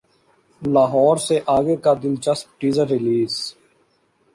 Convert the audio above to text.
لاہور سے اگے کا دلچسپ ٹیزر ریلیز